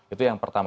itu yang pertama